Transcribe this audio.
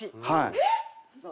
えっ！